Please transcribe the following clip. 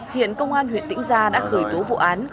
hiện công an huyện tĩnh gia đã khởi tố vụ án